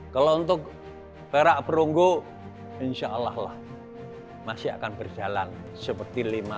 kalau untuk perak perunggu insya allah lah masih akan berjalan seperti lima tahun